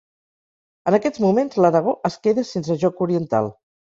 En aquests moments, l'Aragó es queda sense joc oriental.